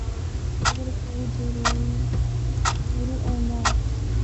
اگر کوئی دُوروں ایندا اے۔